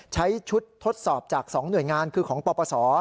ใช้ชุดทดสอบจาก๒หน่วยงานคือของปปศ